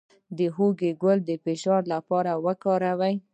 د هوږې ګل د فشار لپاره وکاروئ